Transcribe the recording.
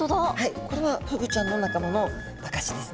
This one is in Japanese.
これはフグちゃんの仲間の証しですね。